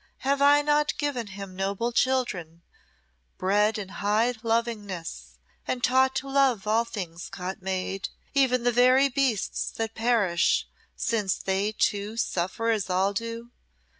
Have I not given him noble children, bred in high lovingness, and taught to love all things God made, even the very beasts that perish, since they, too, suffer as all do?